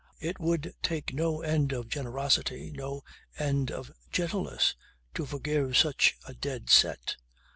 "It would take no end of generosity, no end of gentleness to forgive such a dead set.